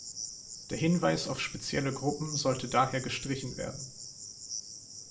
Der Hinweis auf spezielle Gruppen sollte daher gestrichen werden.